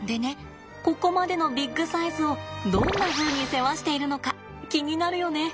ここまでのビッグサイズをどんなふうに世話しているのか気になるよね。